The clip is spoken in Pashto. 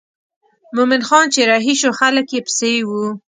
مومن خان چې رهي شو خلک یې پسې وو.